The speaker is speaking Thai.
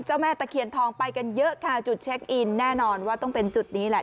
แม่ตะเคียนทองไปกันเยอะค่ะจุดเช็คอินแน่นอนว่าต้องเป็นจุดนี้แหละ